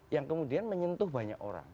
yang kemudian menyentuh banyak orang